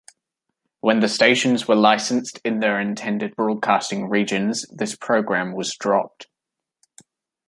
When the stations were licensed in their intended broadcasting regions, this program was dropped.